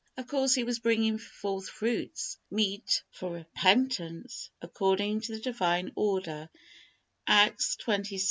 Of course, he was bringing forth fruits meet for repentance, according to the Divine order Acts xxvi.